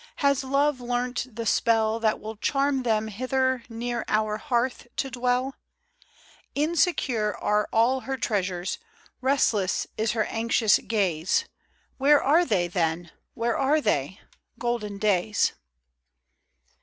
Has Love learnt the spell That will charm them hither, Near our hearth to dwell ? Insecure are all her treasures, Restless is her anxious gaze: — Where are they, then, where are they, — Golden days ? 100 FROM QUEENS' GARDENS.